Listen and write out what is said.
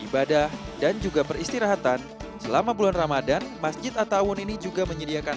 ibadah dan juga peristirahatan selama bulan ramadhan masjid attawun ⁇ ini juga menyediakan